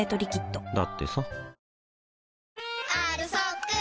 だってさ